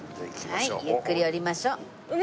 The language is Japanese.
はいゆっくり降りましょう。